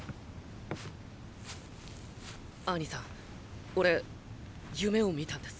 アニさんオレ夢を見たんです。